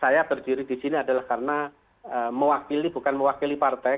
saya berdiri di sini adalah karena mewakili bukan mewakili partai